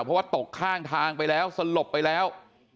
เพราะว่าตกข้างทางไปแล้วสลบไปแล้ว